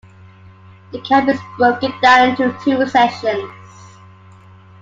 The camp is broken down into two sessions.